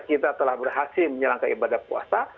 kita telah berhasil menyerangkan ibadah puasa